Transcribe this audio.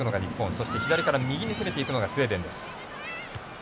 そして左から右に攻めていくのがスウェーデンです。